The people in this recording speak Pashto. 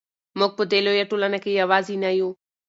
موږ په دې لویه ټولنه کې یوازې نه یو.